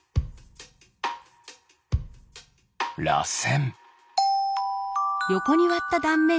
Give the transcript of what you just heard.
らせん。